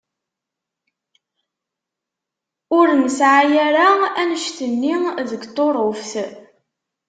Ur nesεa ara annect-nni deg Tuṛuft.